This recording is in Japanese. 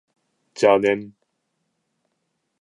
邪念